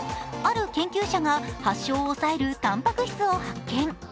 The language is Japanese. ある研究者が発症を抑えるタンパク質を発見。